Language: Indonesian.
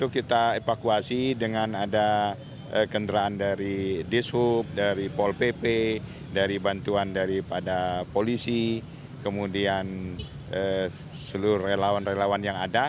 kita evakuasi dengan ada kendaraan dari dishub dari pol pp dari bantuan daripada polisi kemudian seluruh relawan relawan yang ada